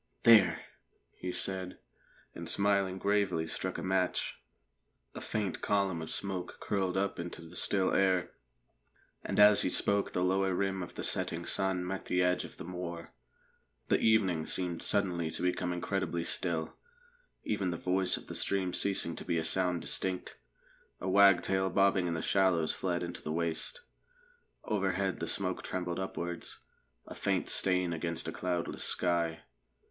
"There!" he said, and smiling gravely struck a match. A faint column of smoke curled up into the still air, and as he spoke the lower rim of the setting sun met the edge of the moor. The evening seemed suddenly to become incredibly still, even the voice of the stream ceasing to be a sound distinct. A wagtail bobbing in the shallows fled into the waste. Overhead the smoke trembled upwards, a faint stain against a cloudless sky.